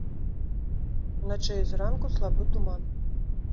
Уначы і зранку слабы туман.